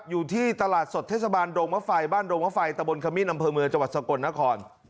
อยู่ที่ตลาดสดเทศบาลดงมะไฟบ้านดงมะไฟตะบนขมิ้นอำเภอเมืองจังหวัดสกลนคร